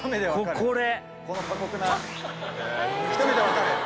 この過酷なひと目でわかる。